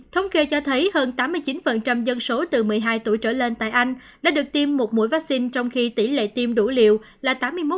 thống kê cho thấy hơn tám mươi chín dân số từ một mươi hai tuổi trở lên tại anh đã được tiêm một mũi vaccine trong khi tỷ lệ tiêm đủ liều là tám mươi một